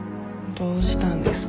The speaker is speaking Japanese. どうしたんですか？